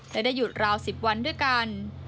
และได้หยุดราว๑๐วันด้วยกัน